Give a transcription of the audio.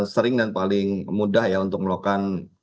sering dan paling mudah ya untuk melakukan